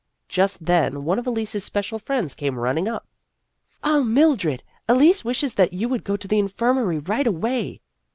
Just then one of Elise's special friends came running up. " Oh, Mildred, Elise wishes that you would go to the infirmary right away